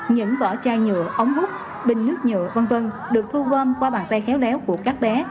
những vỏ chai nhựa ống hút bình nước nhựa v v được thu gom qua bàn tay khéo léo của các bé